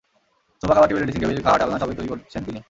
Sofa, খাবার table, dressing table, খাট, আলনা সবই তৈরি করছেন তিনি।